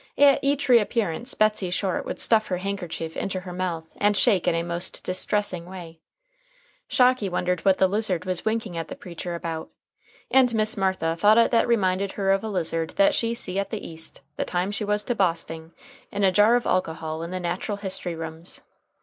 At each reappearance Betsey Short would stuff her handkerchief into her mouth and shake in a most distressing way. Shocky wondered what the lizard was winking at the preacher about. And Miss Martha thought that it reminded her of a lizard that she see at the East, the time she was to Bosting, in a jar of alcohol in the Natural History Rooms.